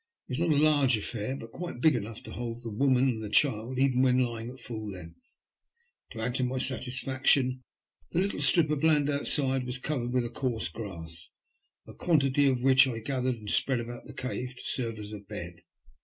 It was not a large affair, but quite big enough to hold the woman and the child even when lying at full length. To add to my satisfaction, the little strip of land outside was covered with a coarse grass, a quantity of which I gathered and spread about in the cave to serve as a bed.